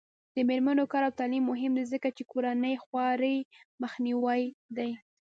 د میرمنو کار او تعلیم مهم دی ځکه چې کورنۍ خوارۍ مخنیوی دی.